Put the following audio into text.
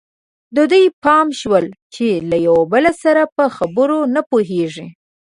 د دوی پام شول چې له یو بل سره په خبرو نه پوهېږي.